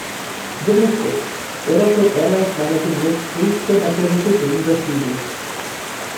Jeremy Spake, Aeroflot Airlines Manager makes frequent appearances in the series.